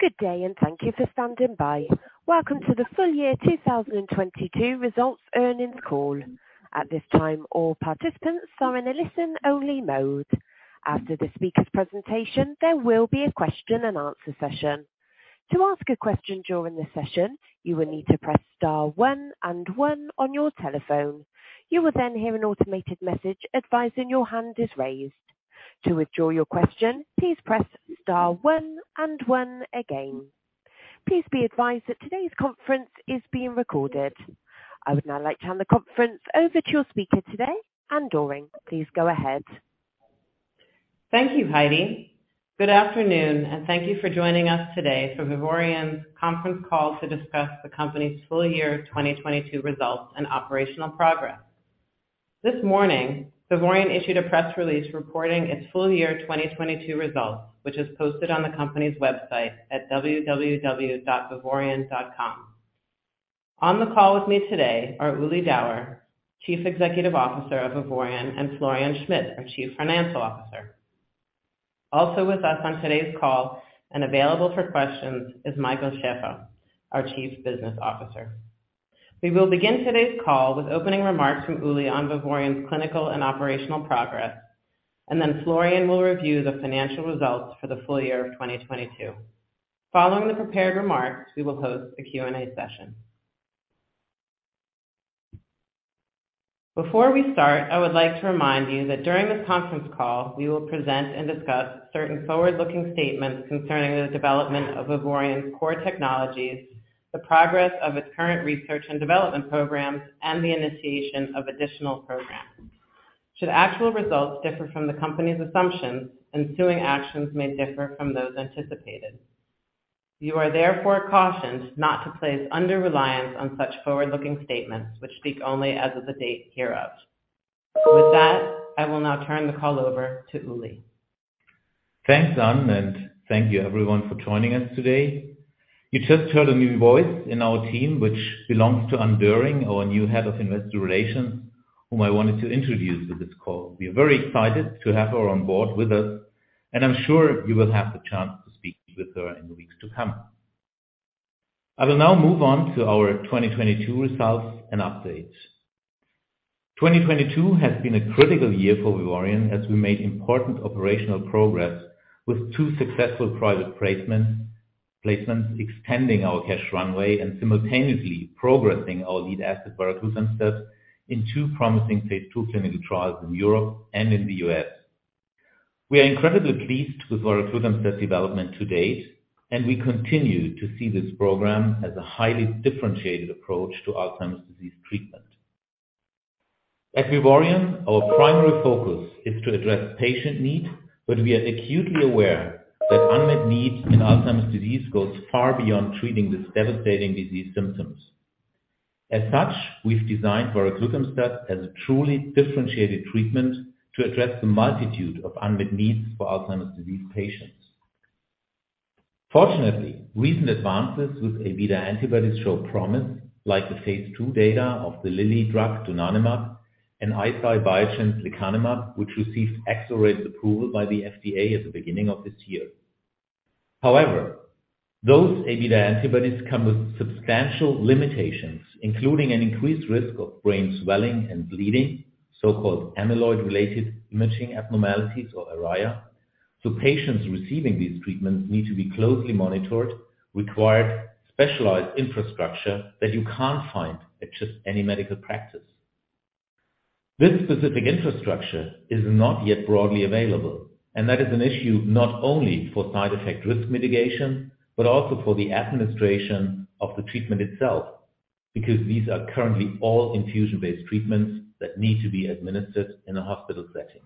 Good day. Thank you for standing by. Welcome to the full year 2022 results earnings call. At this time, all participants are in a listen-only mode. After the speaker's presentation, there will be a question and answer session. To ask a question during the session, you will need to press star 1 and 1 on your telephone. You will hear an automated message advising your hand is raised. To withdraw your question, please press star 1 and 1 again. Please be advised that today's conference is being recorded. I would now like to hand the conference over to your speaker today, Anne Doering. Please go ahead. Thank you, Heidi. Good afternoon, and thank you for joining us today for Vivoryon's conference call to discuss the company's full year 2022 results and operational progress. This morning, Vivoryon issued a press release reporting its full year 2022 results, which is posted on the company's website at www.vivoryon.com. On the call with me today are Ulrich Dauer, Chief Executive Officer of Vivoryon, and Florian Schmid, our Chief Financial Officer. Also with us on today's call and available for questions is Michael Schaeffer, our Chief Business Officer. We will begin today's call with opening remarks from Uli on Vivoryon's clinical and operational progress, and then Florian will review the financial results for the full year of 2022. Following the prepared remarks, we will host a Q&A session. Before we start, I would like to remind you that during this conference call, we will present and discuss certain forward-looking statements concerning the development of Vivoryon's core technologies, the progress of its current research and development programs, and the initiation of additional programs. Should actual results differ from the company's assumptions, ensuing actions may differ from those anticipated. You are therefore cautioned not to place under reliance on such forward-looking statements which speak only as of the date hereof. With that, I will now turn the call over to Uli. Thanks, Anne, and thank you everyone for joining us today. You just heard a new voice in our team, which belongs to Anne Doering, our new Head of Investor Relations, whom I wanted to introduce to this call. We are very excited to have her on board with us, and I'm sure you will have the chance to speak with her in the weeks to come. I will now move on to our 2022 results and updates. 2022 has been a critical year for Vivoryon as we made important operational progress with 2 successful private placements, expanding our cash runway and simultaneously progressing our lead asset varoglutamstat in 2 promising phase II clinical trials in Europe and in the U.S. We are incredibly pleased with varoglutamstat development to date, and we continue to see this program as a highly differentiated approach to Alzheimer's disease treatment. At Vivoryon, our primary focus is to address patient need. We are acutely aware that unmet need in Alzheimer's Disease goes far beyond treating this devastating disease symptoms. As such, we've designed varoglutamstat as a truly differentiated treatment to address the multitude of unmet needs for Alzheimer's Disease patients. Fortunately, recent advances with Abeta antibodies show promise, like the phase II data of the Lilly drug donanemab and Eisai Biogen's lecanemab, which received accelerated approval by the FDA at the beginning of this year. Those Abeta antibodies come with substantial limitations, including an increased risk of brain swelling and bleeding, so-called amyloid-related imaging abnormalities or ARIA. Patients receiving these treatments need to be closely monitored, require specialized infrastructure that you can't find at just any medical practice. This specific infrastructure is not yet broadly available. That is an issue not only for side effect risk mitigation, but also for the administration of the treatment itself, because these are currently all infusion-based treatments that need to be administered in a hospital setting.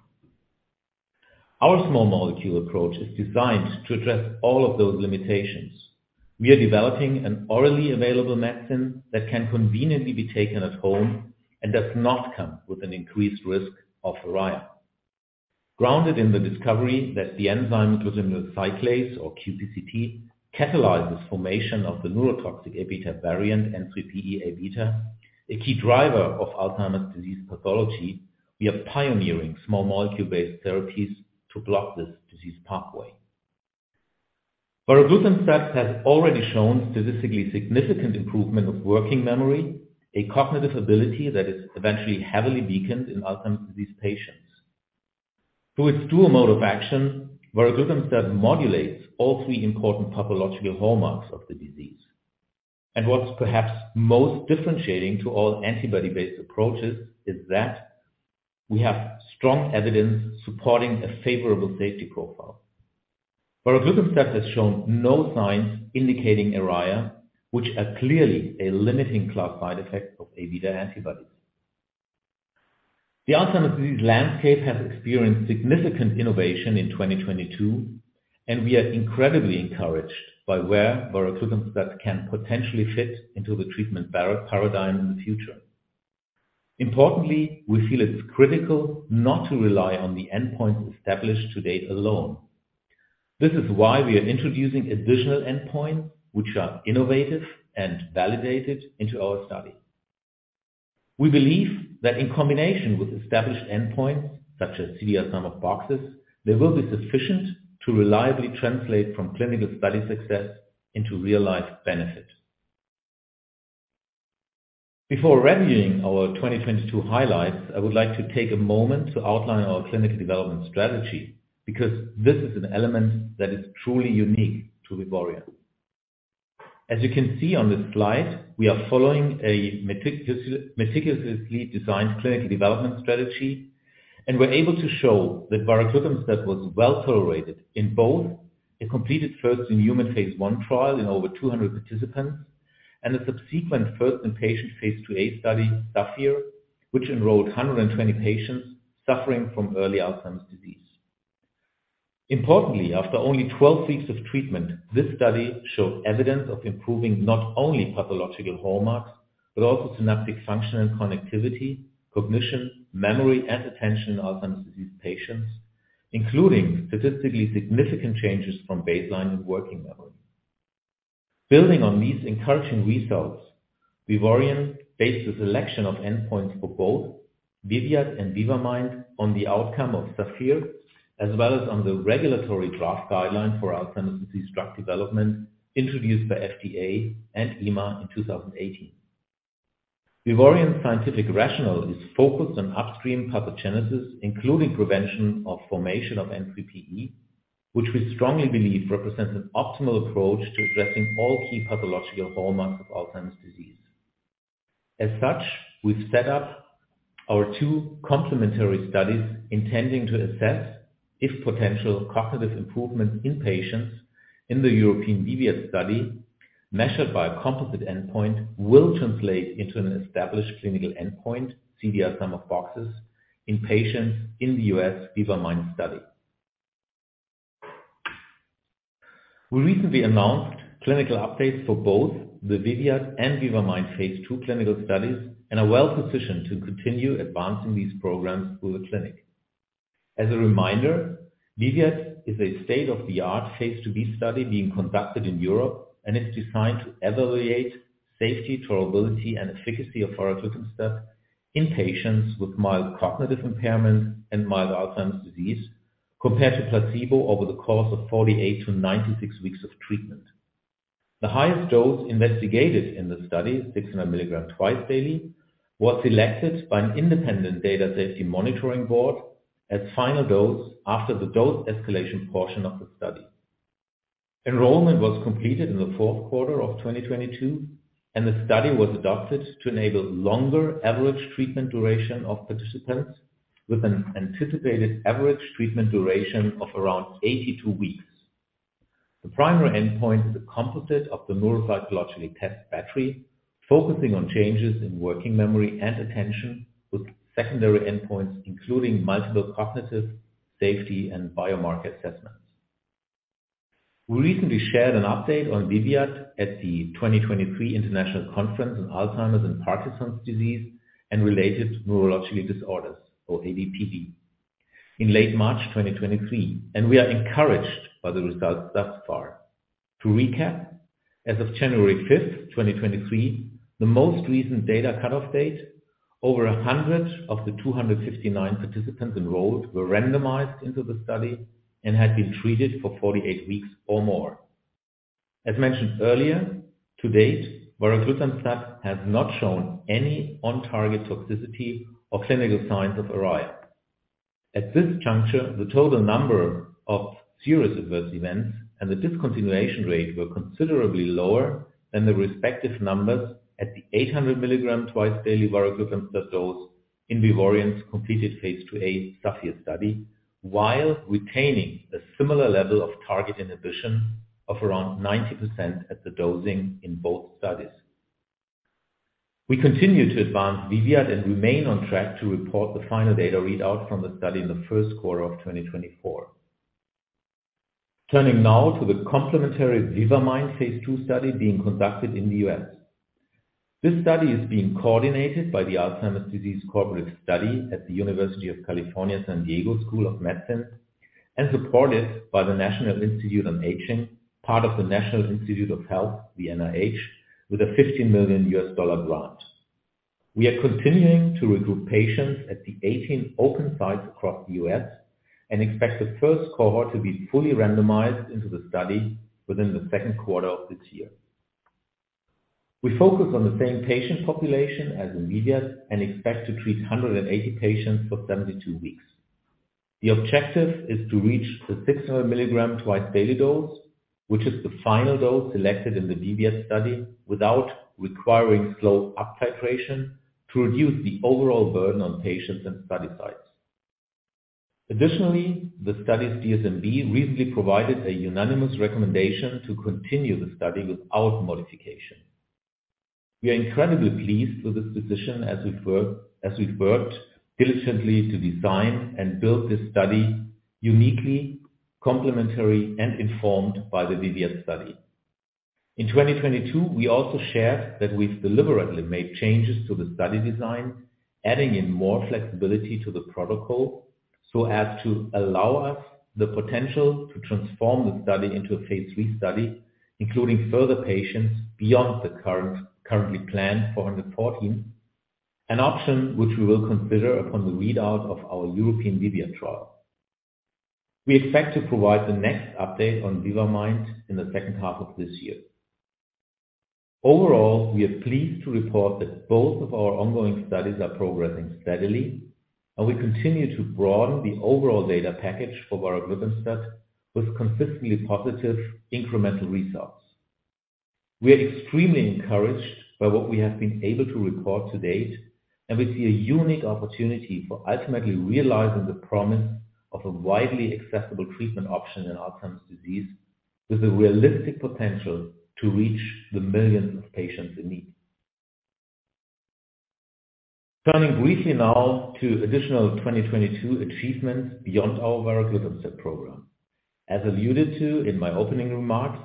Our small molecule approach is designed to address all of those limitations. We are developing an orally available medicine that can conveniently be taken at home and does not come with an increased risk of ARIA. Grounded in the discovery that the enzyme glutaminyl cyclase or QPCT catalyzes formation of the neurotoxic Abeta variant, N3pE-Abeta, a key driver of Alzheimer's Disease pathology, we are pioneering small molecule-based therapies to block this disease pathway. Varoglutamstat has already shown statistically significant improvement of working memory, a cognitive ability that is eventually heavily weakened in Alzheimer's Disease patients. Through its dual mode of action, varoglutamstat modulates all three important pathological hallmarks of the disease. What's perhaps most differentiating to all antibody-based approaches is that we have strong evidence supporting a favorable safety profile. Varoglutamstat has shown no signs indicating ARIA, which are clearly a limiting class side effect of Abeta antibodies. The Alzheimer's Disease landscape has experienced significant innovation in 2022, and we are incredibly encouraged by where varoglutamstat can potentially fit into the treatment paradigm in the future. Importantly, we feel it's critical not to rely on the endpoints established to date alone. This is why we are introducing additional endpoints which are innovative and validated into our study. We believe that in combination with established endpoints such as CDR-SB, they will be sufficient to reliably translate from clinical study success into real life benefit. Before reviewing our 2022 highlights, I would like to take a moment to outline our clinical development strategy because this is an element that is truly unique to Vivoryon. As you can see on this slide, we are following a meticulously designed clinical development strategy. We're able to show that varoglutamstat was well tolerated in both a completed first-in-human phase I trial in over 200 participants and a subsequent first in patient phase II-A study, SAPHIR, which enrolled 120 patients suffering from early Alzheimer's Disease. Importantly, after only 12 weeks of treatment, this study showed evidence of improving not only pathological hallmarks, but also synaptic function and connectivity, cognition, memory, and attention in Alzheimer's Disease patients, including statistically significant changes from baseline and working memory. Building on these encouraging results, Vivoryon based the selection of endpoints for both VIVIAD and VIVA-MIND on the outcome of SAPHIR, as well as on the regulatory draft guideline for Alzheimer's disease drug development introduced by FDA and EMA in 2018. Vivoryon's scientific rationale is focused on upstream pathogenesis, including prevention of formation of N3pE, which we strongly believe represents an optimal approach to addressing all key pathological hallmarks of Alzheimer's disease. As such, we've set up our two complementary studies intending to assess if potential cognitive improvements in patients in the European VIVIAD study measured by a composite endpoint will translate into an established clinical endpoint, CDR-SB, in patients in the U.S. VIVA-MIND study. We recently announced clinical updates for both the VIVIAD and VIVA-MIND phase II clinical studies and are well-positioned to continue advancing these programs through the clinic. As a reminder, VIVIAD is a state-of-the-art phase II-B study being conducted in Europe, and it's designed to evaluate safety, tolerability, and efficacy of varoglutamstat in patients with mild cognitive impairment and mild Alzheimer's disease compared to placebo over the course of 48-96 weeks of treatment. The highest dose investigated in the study, 600 milligram twice daily, was selected by an independent Data Safety Monitoring Board as final dose after the dose escalation portion of the study. Enrollment was completed in the fourth quarter of 2022, and the study was adapted to enable longer average treatment duration of participants with an anticipated average treatment duration of around 82 weeks. The primary endpoint is a composite of the Neuropsychological Test Battery, focusing on changes in working memory and attention, with secondary endpoints including multiple cognitive, safety, and biomarker assessments. We recently shared an update on VIVIAD at the 2023 International Conference on Alzheimer's and Parkinson's Disease and Related Neurological Disorders, or ADPD, in late March 2023. We are encouraged by the results thus far. To recap, as of January 5, 2023, the most recent data cutoff date, over 100 of the 259 participants enrolled were randomized into the study and had been treated for 48 weeks or more. As mentioned earlier, to date, varoglutamstat has not shown any on-target toxicity or clinical signs of ARIA. At this juncture, the total number of serious adverse events and the discontinuation rate were considerably lower than the respective numbers at the 800 milligram twice-daily varoglutamstat dose in Vivoryon's completed phase II-B SAPHIR study, while retaining a similar level of target inhibition of around 90% at the dosing in both studies. We continue to advance VIVIAD and remain on track to report the final data readout from the study in the first quarter of 2024. Turning now to the complementary VIVA-MIND phase II study being conducted in the U.S. This study is being coordinated by the Alzheimer's Disease Cooperative Study at the University of California San Diego School of Medicine and supported by the National Institute on Aging, part of the National Institutes of Health, the NIH, with a $50 million grant. We are continuing to recruit patients at the 18 open sites across the U.S. and expect the first cohort to be fully randomized into the study within the second quarter of this year. We focus on the same patient population as VIVIAD and expect to treat 180 patients for 72 weeks. The objective is to reach the 600 milligram twice-daily dose, which is the final dose selected in the VIVIAD study, without requiring slow uptitration to reduce the overall burden on patients and study sites. Additionally, the study DSMB recently provided a unanimous recommendation to continue the study without modification. We are incredibly pleased with this decision as we've worked diligently to design and build this study uniquely, complementary and informed by the VIVIAD study. In 2022, we also shared that we've deliberately made changes to the study design, adding in more flexibility to the protocol so as to allow us the potential to transform the study into a phase III study, including further patients beyond the current, currently planned 414. An option which we will consider upon the readout of our European VIVIAD trial. We expect to provide the next update on VIVA-MIND in the second half of this year. Overall, we are pleased to report that both of our ongoing studies are progressing steadily, and we continue to broaden the overall data package for varoglutamstat with consistently positive incremental results. We are extremely encouraged by what we have been able to report to date, and we see a unique opportunity for ultimately realizing the promise of a widely accessible treatment option in Alzheimer's disease, with a realistic potential to reach the millions of patients in need. Turning briefly now to additional 2022 achievements beyond our varoglutamstat program. As alluded to in my opening remarks,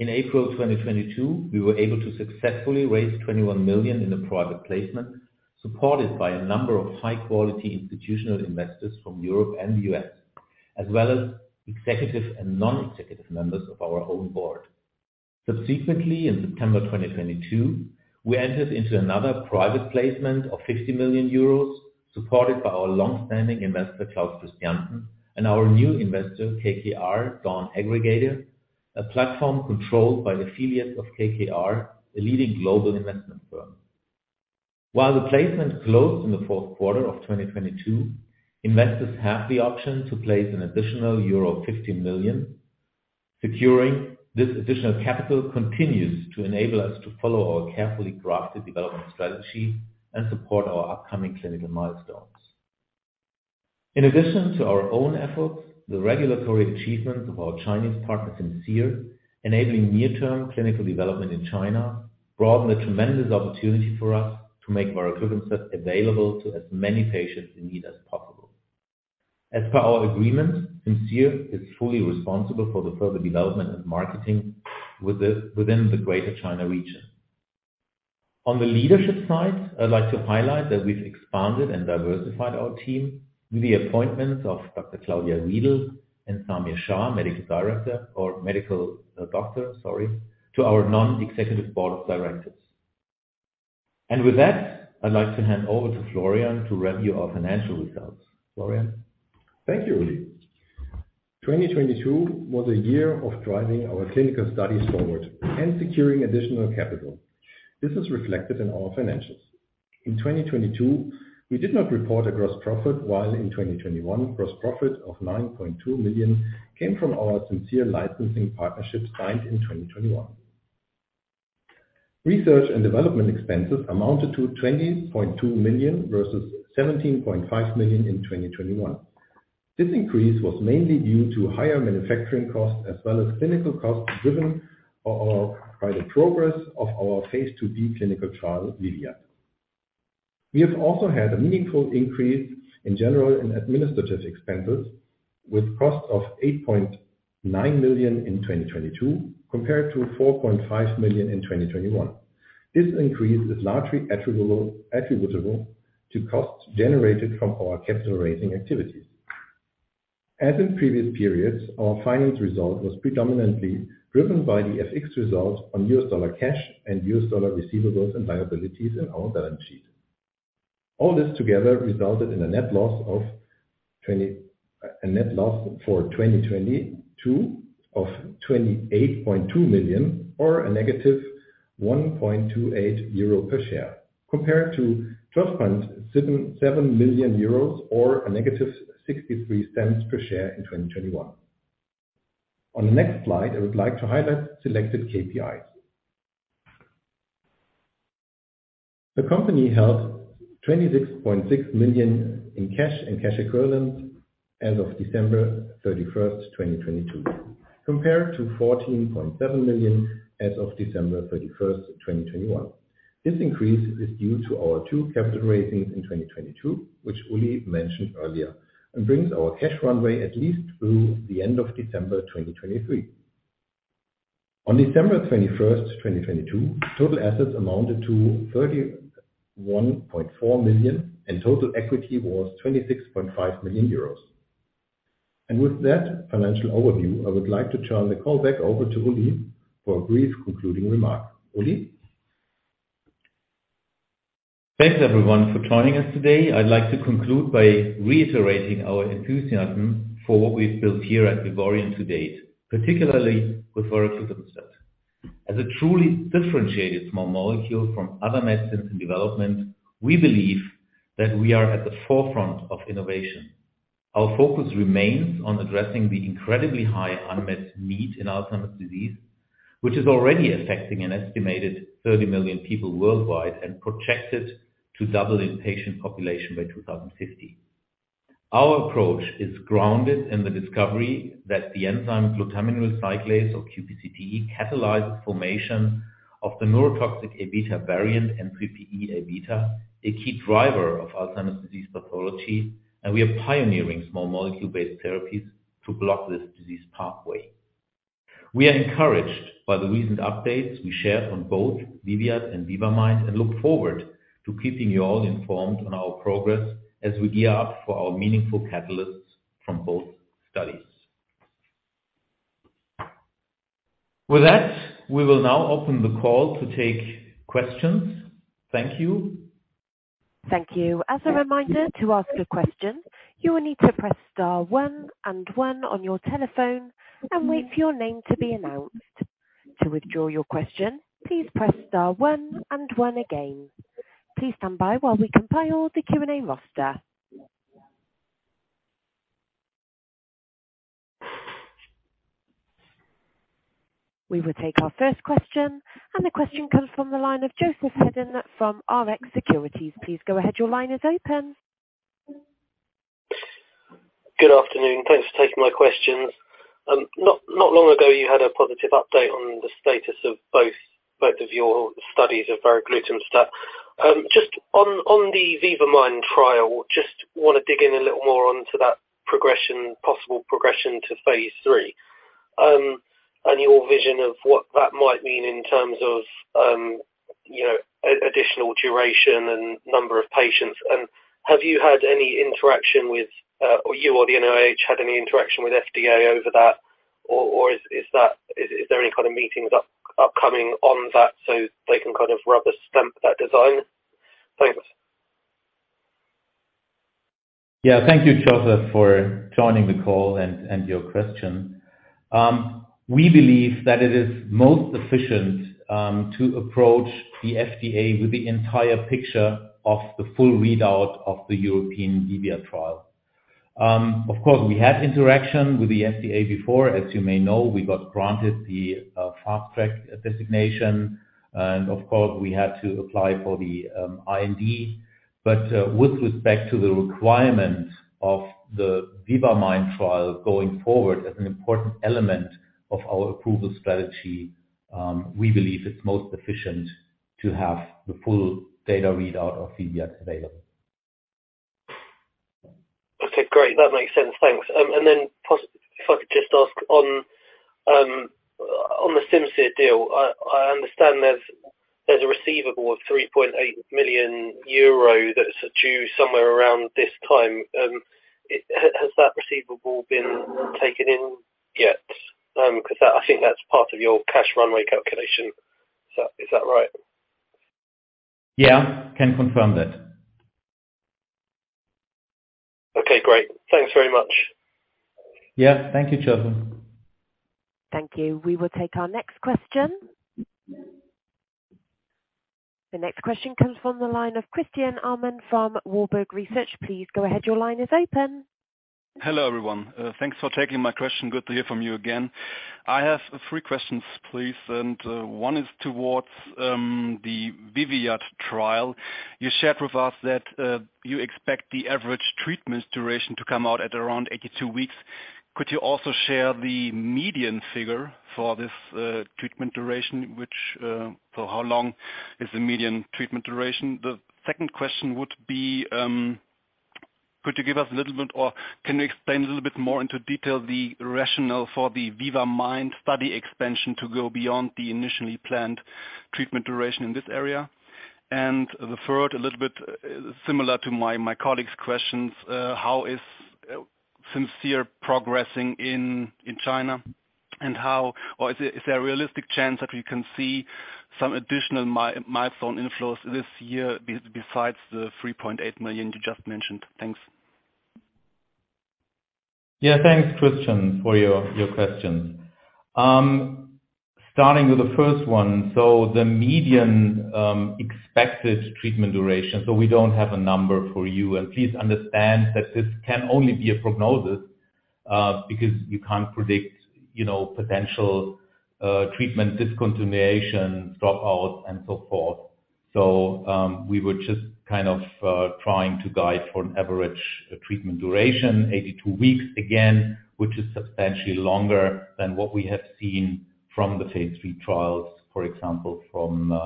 in April 2022, we were able to successfully raise 21 million in a private placement, supported by a number of high-quality institutional investors from Europe and the U.S., as well as executive and non-executive members of our own board. Subsequently, in September 2022, we entered into another private placement of 50 million euros, supported by our long-standing investor, Claus Christiansen, and our new investor, KKR Dawn Aggregator, a platform controlled by the affiliates of KKR, a leading global investment firm. While the placement closed in the fourth quarter of 2022, investors have the option to place an additional euro 50 million. Securing this additional capital continues to enable us to follow our carefully crafted development strategy and support our upcoming clinical milestones. In addition to our own efforts, the regulatory achievements of our Chinese partner, Simcere, enabling near-term clinical development in China, broaden the tremendous opportunity for us to make varoglutamstat available to as many patients in need as possible. As per our agreement, Simcere is fully responsible for the further development and marketing within the Greater China region. On the leadership side, I'd like to highlight that we've expanded and diversified our team with the appointments of Dr. Claudia Riedl and Samir Shah, medical director or medical doctor, sorry, to our non-executive board of directors. With that, I'd like to hand over to Florian to review our financial results. Florian. Thank you, Uli. 2022 was a year of driving our clinical studies forward and securing additional capital. This is reflected in our financials. In 2022, we did not report a gross profit, while in 2021, gross profit of 9.2 million came from our Simcere licensing partnership signed in 2021. Research and development expenses amounted to 20 million versus 17.5 million in 2021. This increase was mainly due to higher manufacturing costs as well as clinical costs driven by the progress of our phase II-B clinical trial, VIVIAD. We have also had a meaningful increase in general and administrative expenses with costs of 8.9 million in 2022 compared to 4.5 million in 2021. This increase is largely attributable to costs generated from our capital raising activities. As in previous periods, our finance result was predominantly driven by the FX results on US dollar cash and US dollar receivables and liabilities in our balance sheet. All this together resulted in a net loss for 2022 of 28.2 million, or a negative 1.28 euro per share, compared to 12.77 million euros or a negative 0.63 per share in 2021. On the next slide, I would like to highlight selected KPIs. The company held 26.6 million in cash and cash equivalents as of December 31st, 2022, compared to 14.7 million as of December 31st, 2021. This increase is due to our 2 capital raisings in 2022, which Uli mentioned earlier, and brings our cash runway at least through the end of December, 2023. On December 21, 2022, total assets amounted to 31.4 million, total equity was 26.5 million euros. With that financial overview, I would like to turn the call back over to Uli for a brief concluding remark. Uli. Thanks, everyone, for joining us today. I'd like to conclude by reiterating our enthusiasm for what we've built here at Vivoryon to date, particularly with varoglutamstat. As a truly differentiated small molecule from other medicines in development, we believe that we are at the forefront of innovation. Our focus remains on addressing the incredibly high unmet need in Alzheimer's disease, which is already affecting an estimated 30 million people worldwide and projected to double in patient population by 2050. Our approach is grounded in the discovery that the enzyme glutaminyl cyclase or QPCT catalyzes formation of the neurotoxic Abeta variant and N3pE Abeta, a key driver of Alzheimer's Disease pathology, and we are pioneering small molecule-based therapies to block this disease pathway. We are encouraged by the recent updates we shared on both VIVIAD and VIVA-MIND and look forward to keeping you all informed on our progress as we gear up for our meaningful catalysts from both studies. With that, we will now open the call to take questions. Thank you. Thank you. As a reminder, to ask a question, you will need to press star one and one on your telephone and wait for your name to be announced. To withdraw your question, please press star one and one again. Please stand by while we compile the Q&A roster. We will take our first question. The question comes from the line of Joseph Hedden from Rx Securities. Please go ahead. Your line is open. Good afternoon. Thanks for taking my questions. Not long ago, you had a positive update on the status of both of your studies of varoglutamstat. Just on the VIVA-MIND trial, just want to dig in a little more onto that progression, possible progression to phase III, and your vision of what that might mean in terms of, you know, additional duration and number of patients. Have you had any interaction with, or you or the NIH had any interaction with FDA over that? Or is there any kind of meetings upcoming on that so they can kind of rubber stamp that design? Thanks. Yeah. Thank you, Joseph, for joining the call and your question. We believe that it is most efficient to approach the FDA with the entire picture of the full readout of the European VIVIAD trial. Of course, we had interaction with the FDA before. As you may know, we got granted the Fast Track designation, and of course, we had to apply for the IND. With respect to the requirement of the VIVA-MIND trial going forward as an important element of our approval strategy, we believe it's most efficient to have the full data readout of VIVIAD available. Okay. Great. That makes sense. Thanks. If I could just ask on the Simcere deal, I understand there's a receivable of 3.8 million euro that's due somewhere around this time. Has that receivable been taken in yet? 'Cause that, I think that's part of your cash runway calculation. Is that right? Yeah. Can confirm that. Okay. Great. Thanks very much. Yeah. Thank you, Joseph. Thank you. We will take our next question. The next question comes from the line of Christian Ehmann from Warburg Research. Please go ahead. Your line is open. Hello, everyone. Thanks for taking my question. Good to hear from you again. I have three questions, please. One is towards the VIVIAD trial. You shared with us that you expect the average treatment duration to come out at around 82 weeks. Could you also share the median figure for this treatment duration, which, how long is the median treatment duration? The second question would be, could you give us a little bit or can you explain a little bit more into detail the rationale for the VIVA-MIND study expansion to go beyond the initially planned treatment duration in this area? The third, a little bit similar to my colleague's questions, how is Simcere progressing in China? And how is there a realistic chance that we can see some additional milestone inflows this year besides the 3.8 million you just mentioned? Thanks. Yeah. Thanks, Christian, for your questions. Starting with the first one. The median expected treatment duration. We don't have a number for you. Please understand that this can only be a prognosis, because you can't predict, you know, potential treatment discontinuation, drop out and so forth. We were just kind of trying to guide for an average treatment duration, 82 weeks, again, which is substantially longer than what we have seen from the phase III trials, for example, from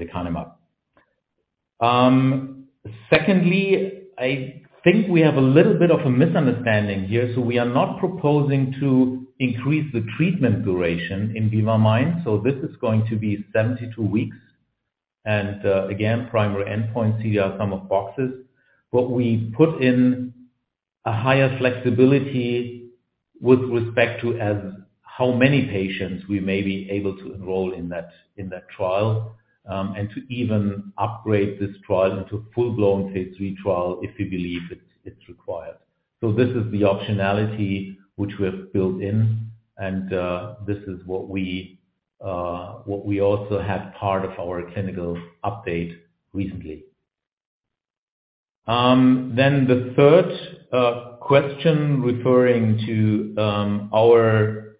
lecanemab. Secondly, I think we have a little bit of a misunderstanding here. We are not proposing to increase the treatment duration in VIVA-MIND. This is going to be 72 weeks. Again, primary endpoint, CDR-SB. What we put in a higher flexibility with respect to as how many patients we may be able to enroll in that trial, and to even upgrade this trial into full-blown phase III trial if we believe it's required. This is the optionality which we have built in, and this is what we also have part of our clinical update recently. The third question referring to our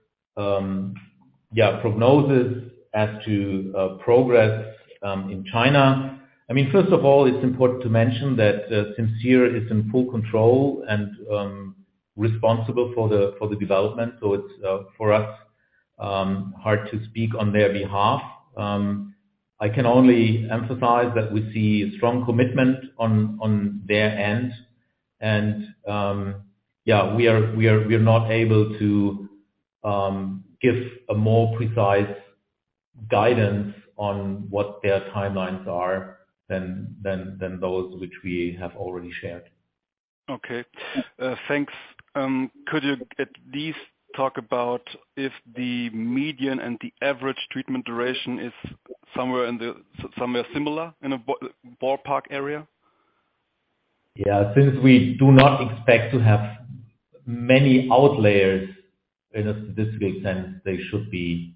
prognosis as to progress in China. I mean, first of all, it's important to mention that Simcere is in full control and responsible for the development. It's for us hard to speak on their behalf. I can only emphasize that we see strong commitment on their end. Yeah, we are not able to give a more precise guidance on what their timelines are than those which we have already shared. Thanks. Could you at least talk about if the median and the average treatment duration is somewhere similar in a ballpark area? Yeah. Since we do not expect to have many outliers in a statistical sense, they should be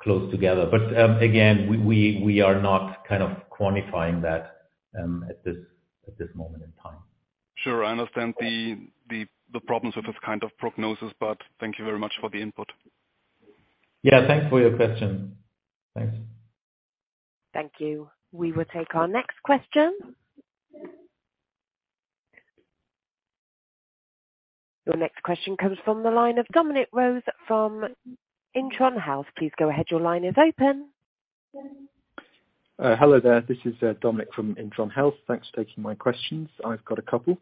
close together. Again, we are not kind of quantifying that at this moment in time. Sure. I understand the problems with this kind of prognosis. Thank you very much for the input. Yeah. Thanks for your question. Thanks. Thank you. We will take our next question. Your next question comes from the line of Dominic Rose from Intron Health. Please go ahead. Your line is open. Hello there. This is Dominic from Intron Health. Thanks for taking my questions. I've got a couple.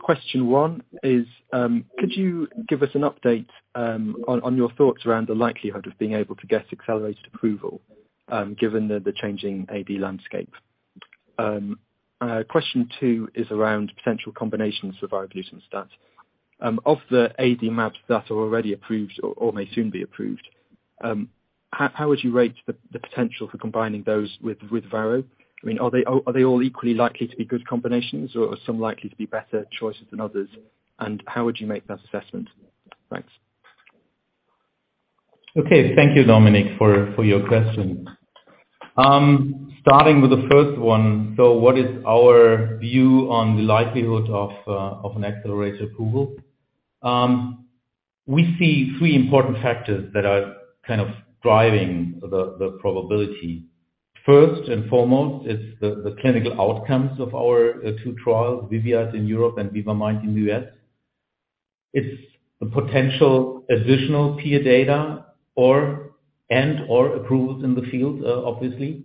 Question one is, could you give us an update on your thoughts around the likelihood of being able to get accelerated approval given the changing AD landscape? Question two is around potential combinations of varoglutamstat. Of the AD maps that are already approved or may soon be approved, how would you rate the potential for combining those with varo? I mean, are they all equally likely to be good combinations or are some likely to be better choices than others? How would you make that assessment? Thanks. Okay. Thank you, Dominic, for your questions. Starting with the first one. What is our view on the likelihood of an accelerated approval? We see three important factors that are kind of driving the probability. First and foremost is the clinical outcomes of our two trials, VIVIAD in Europe and VIVA-MIND in the U.S. It's the potential additional peer data or, and/or approvals in the field, obviously,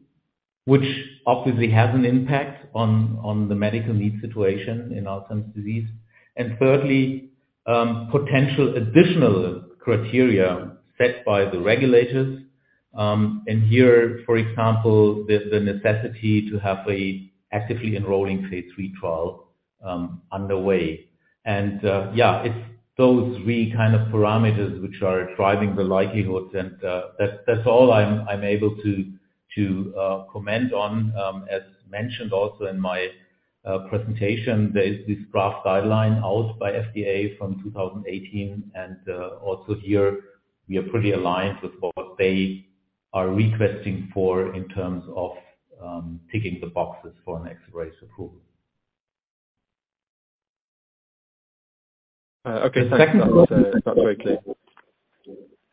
which obviously has an impact on the medical need situation in Alzheimer's disease. Thirdly, potential additional criteria set by the regulators, and here, for example, the necessity to have a actively enrolling phase III trial underway. Yeah, it's those three kind of parameters which are driving the likelihoods. That's all I'm able to comment on. As mentioned also in my presentation, there is this draft guideline out by FDA from 2018. Also here we are pretty aligned with what they are requesting for in terms of ticking the boxes for an accelerated approval. Okay. The second- That's not very clear.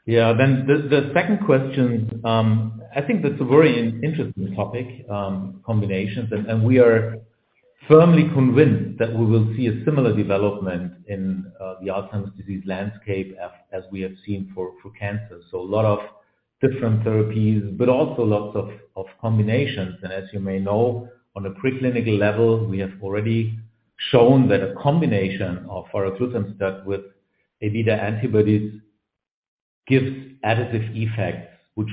Yeah. Then the second question, I think that's a very interesting topic, combinations. We are firmly convinced that we will see a similar development in the Alzheimer's disease landscape as we have seen for cancer. A lot of different therapies, but also lots of combinations. As you may know, on a preclinical level, we have already shown that a combination of varoglutamstat with Abeta antibodies gives additive effects, which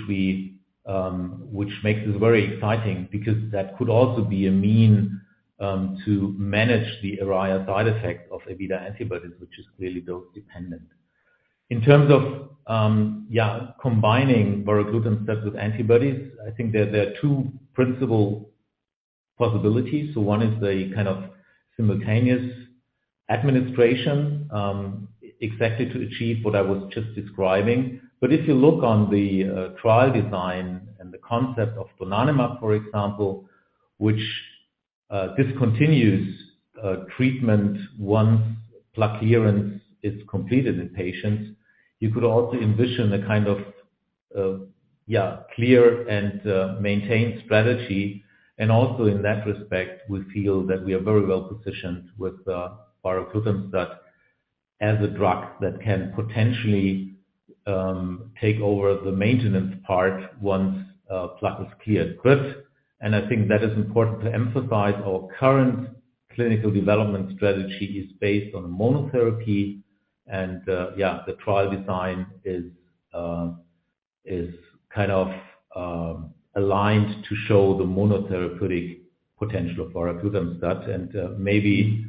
makes this very exciting because that could also be a mean to manage the ARIA side effects of Abeta antibodies, which is clearly dose dependent. In terms of, yeah, combining varoglutamstat with antibodies, I think there are two principal possibilities. One is the kind of simultaneous administration, exactly to achieve what I was just describing. If you look on the trial design and the concept of donanemab, for example, which discontinues treatment once plaque clearance is completed in patients, you could also envision the kind of clear and maintain strategy. Also in that respect, we feel that we are very well positioned with varoglutamstat as a drug that can potentially take over the maintenance part once plaque is cleared. And I think that is important to emphasize, our current clinical development strategy is based on monotherapy and the trial design is kind of aligned to show the monotherapeutic potential of varoglutamstat. Maybe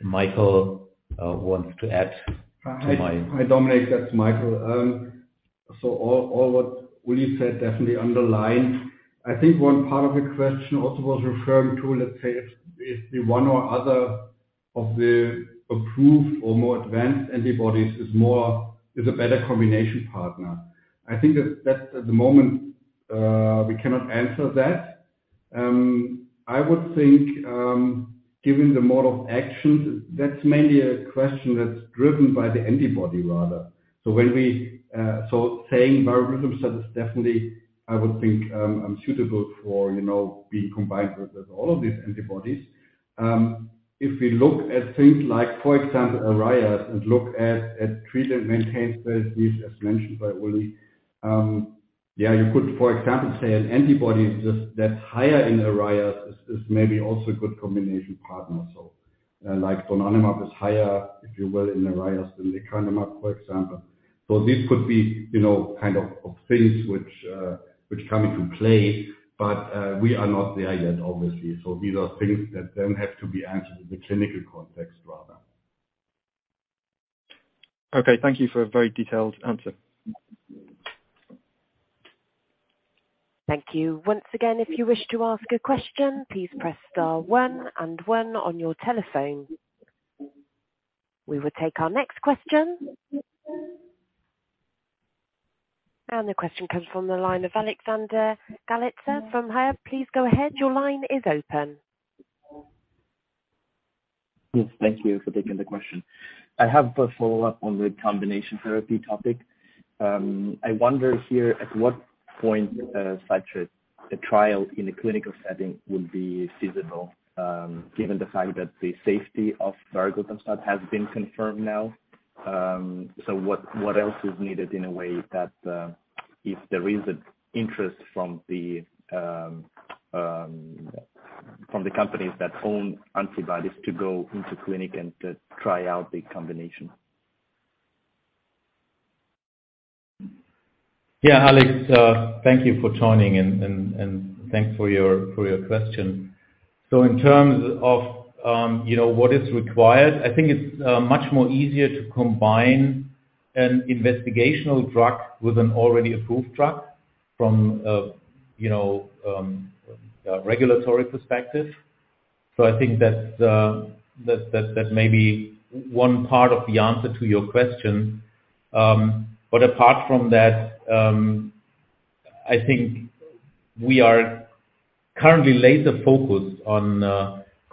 Michael wants to add to. Hi. Hi, Dominic. That's Michael. All what Uli said, definitely underlined. I think one part of the question also was referring to, let's say if the one or other of the approved or more advanced antibodies is more, is a better combination partner. I think that's at the moment, we cannot answer that. I would think, given the mode of action, that's mainly a question that's driven by the antibody rather. When we, so saying varoglutamstat is definitely, I would think, suitable for, you know, being combined with all of these antibodies. If we look at things like, for example, ARIA and look at treat and maintain disease, as mentioned by Uli. Yeah, you could, for example, say an antibody is just that's higher in ARIAS is maybe also a good combination partner. Like donanemab is higher, if you will, in ARIAS than lecanemab, for example. This could be, you know, kind of things which come into play. We are not there yet, obviously. These are things that then have to be answered in the clinical context rather. Okay, thank you for a very detailed answer. Thank you. Once again, if you wish to ask a question, please press star one and one on your telephone. We will take our next question. The question comes from the line of Alexander Galitsa from Hauck. Please go ahead. Your line is open. Yes. Thank you for taking the question. I have a follow-up on the combination therapy topic. I wonder here, at what point, such a trial in a clinical setting would be feasible, given the fact that the safety of varoglutamstat has been confirmed now. What else is needed in a way that, if there is interest from the companies that own antibodies to go into clinic and to try out the combination? Yeah, Alex, thank you for joining and thanks for your question. In terms of, you know, what is required, I think it's much more easier to combine an investigational drug with an already approved drug from, you know, a regulatory perspective. I think that may be one part of the answer to your question. Apart from that, I think we are currently laser focused on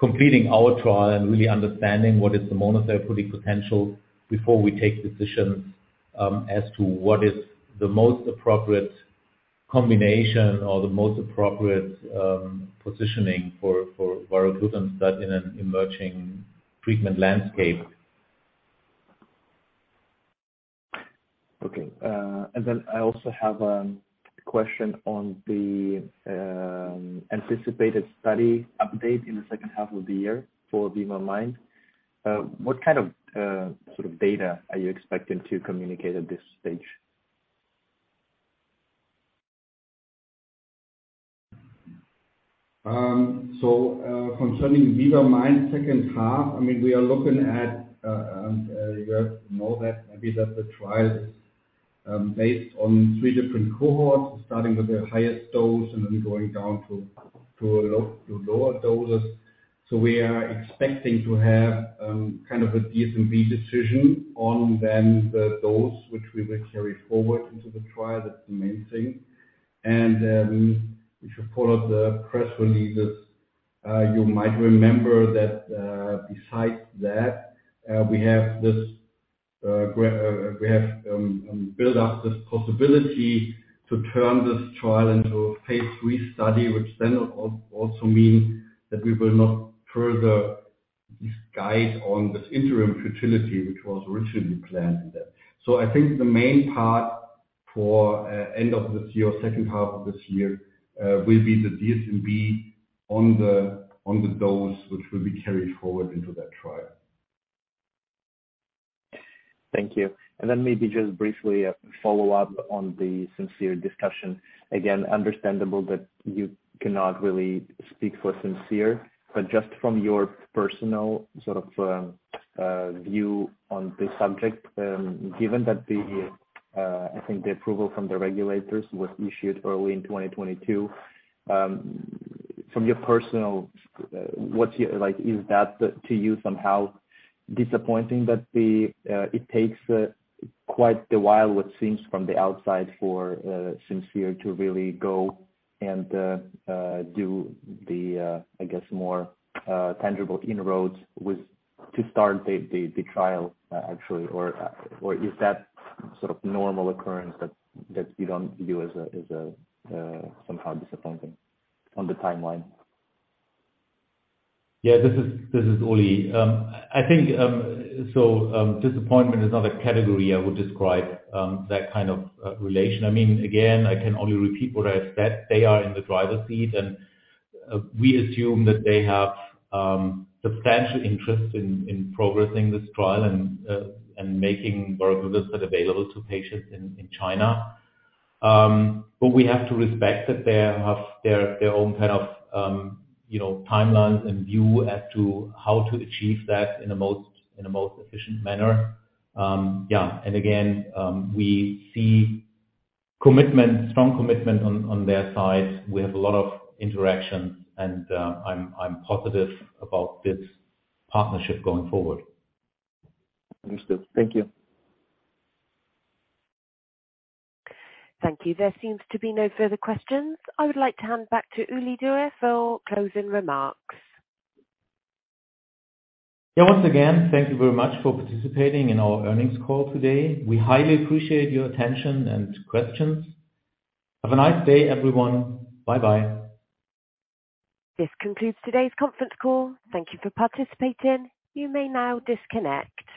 completing our trial and really understanding what is the monotherapy potential before we take decisions as to what is the most appropriate combination or the most appropriate positioning for varoglutamstat in an emerging treatment landscape. Okay. I also have a question on the anticipated study update in the second half of the year for VIVA-MIND. What kind of sort of data are you expecting to communicate at this stage? Concerning VIVA-MIND second half, I mean, we are looking at, you know that maybe that the trial is based on 3 different cohorts, starting with the highest dose and then going down to a low, to lower doses. We are expecting to have kind of a DSMB decision on then the dose which we will carry forward into the trial. That's the main thing. If you follow the press releases, you might remember that besides that, we have this, we have build up this possibility to turn this trial into a phase III study, which then also means that we will not further disguise on this interim futility, which was originally planned in that. I think the main part for, end of this year, second half of this year, will be the DSMB on the, on the dose, which will be carried forward into that trial. Thank you. Then maybe just briefly a follow-up on the Simcere discussion. Again, understandable that you cannot really speak for Simcere, but just from your personal sort of view on the subject, given that I think the approval from the regulators was issued early in 2022. From your personal, what's your like, is that to you somehow disappointing that it takes quite a while, it seems from the outside for Simcere to really go and do the, I guess, more tangible inroads with to start the trial actually, or is that sort of normal occurrence that you don't view as a somehow disappointing on the timeline? Yeah, this is Uli. I think, disappointment is not a category I would describe, that kind of, relation. I mean, again, I can only repeat what I said. They are in the driver's seat, and we assume that they have substantial interest in progressing this trial and making varoglutamstat available to patients in China. We have to respect that they have their own kind of, you know, timelines and view as to how to achieve that in a most efficient manner. Yeah. Again, we see commitment, strong commitment on their side. We have a lot of interaction and I'm positive about this partnership going forward. Understood. Thank you. Thank you. There seems to be no further questions. I would like to hand back to Ulrich Dauer for closing remarks. Yeah. Once again, thank you very much for participating in our earnings call today. We highly appreciate your attention and questions. Have a nice day, everyone. Bye-bye. This concludes today's conference call. Thank you for participating. You may now disconnect.